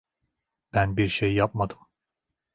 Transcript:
Ben bir şey yapmadım.